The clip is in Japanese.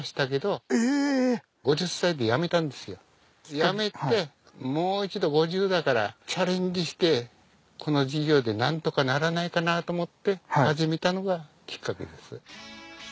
辞めてもう一度５０代からチャレンジしてこの事業でなんとかならないかなと思って始めたのがきっかけです。